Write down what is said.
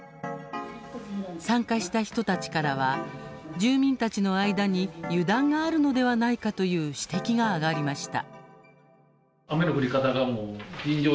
参加した人たちからは住民たちの間に油断があるのではないかという指摘が挙がりました。